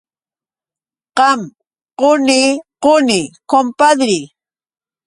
Qam quni quni, kumpadri.